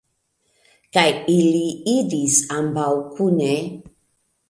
Kaj ili iris ambaŭ kune.